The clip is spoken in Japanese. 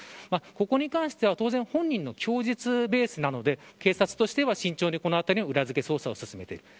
ここに関しては当然、本人の供述ベースなので警察としては慎重にこのあたりの裏付け捜査を進めている。